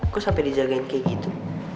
kok sampai dijagain kayak gitu